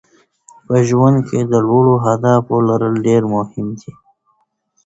په ژوند کې د لوړو اهدافو لرل ډېر مهم دي.